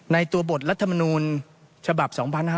ในตัวบทรัฐมนูลฉบับ๒๕๕๙